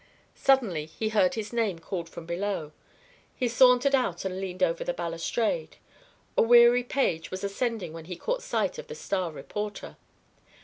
Suddenly he heard his name called from below. He sauntered out and leaned over the balustrade. A weary page was ascending when he caught sight of the star reporter.